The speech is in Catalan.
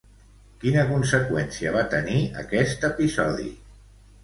Quina conseqüència va tenir aquest episodi?